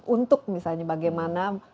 untuk misalnya bagaimana